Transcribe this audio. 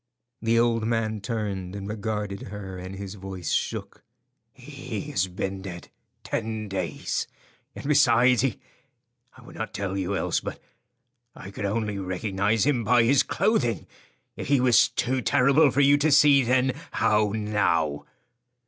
The old man turned and regarded her, and his voice shook. "He has been dead ten days, and besides he—I would not tell you else, but—I could only recognize him by his clothing. If he was too terrible for you to see then, how now?"